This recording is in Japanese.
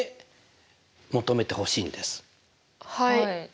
はい。